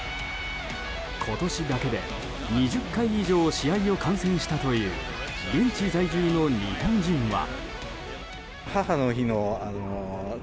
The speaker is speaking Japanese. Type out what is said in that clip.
今年だけで２０回以上試合を観戦したという現地在住の日本人は。